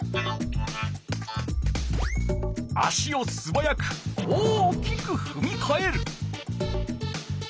足をすばやく大きくふみかえる。